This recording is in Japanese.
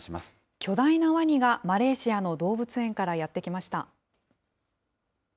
巨大なワニがマレーシアの動物園からやって来ました。